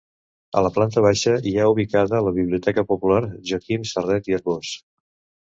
A la planta baixa hi ha ubicada la Biblioteca Popular Joaquim Sarret i Arbós.